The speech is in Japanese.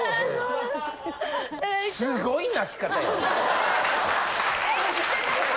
すごい泣き方よ。